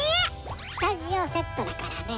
スタジオセットだからね。